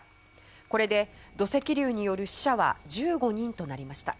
これで土石流による死者は１５人となりました。